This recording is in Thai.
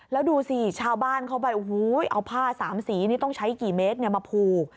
แล้วดูสิชาวบ้านเข้าไปเอาผ้าสามสีนี่ต้องใช้กี่เมตรมาผูก